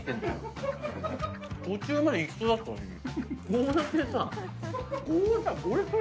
途中まで一緒だったのに。